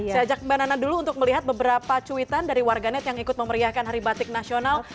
saya ajak mbak nana dulu untuk melihat beberapa cuitan dari warganet yang ikut memeriahkan hari batik nasional